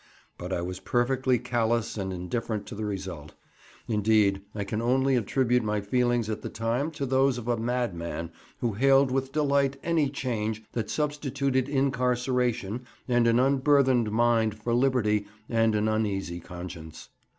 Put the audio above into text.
But I was perfectly callous and indifferent to the result; indeed, I can only attribute my feelings at the time to those of a madman who hailed with delight any change that substituted incarceration and an unburthened mind for liberty and an uneasy conscience.